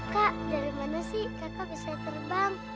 kak dari mana sih kakak bisa terbang